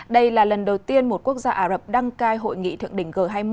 đây là lần đầu tiên một quốc gia ả rập đăng cai hội nghị thượng đỉnh g hai mươi